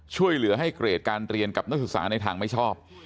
ช่วยเหลือให้เกรดการเรียนกับนักศึกษาในทางไม่ชอบ